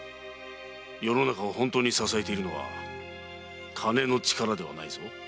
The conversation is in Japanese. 世の中を本当に支えているのは金の力ではないぞ。